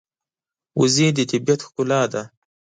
وزې د طبیعت ښکلا ده